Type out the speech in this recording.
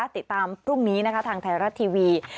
ติดตามพรุ่งนี้ทางไทยรัฐทีวี